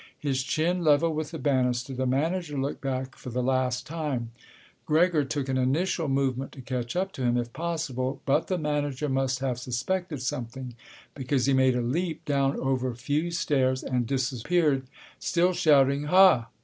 His chin level with the banister, the manager looked back for the last time. Gregor took an initial movement to catch up to him if possible. But the manager must have suspected something, because he made a leap down over a few stairs and disappeared, still shouting "Huh!"